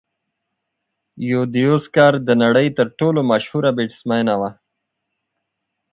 یوديوسکر د نړۍ تر ټولو مشهوره بیټسمېنه وه.